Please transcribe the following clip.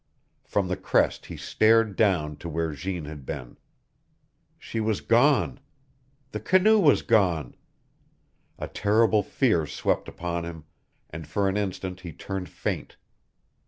From the crest he stared down to where Jeanne had been. She was gone. The canoe was gone. A terrible fear swept upon him, and for an instant he turned faint.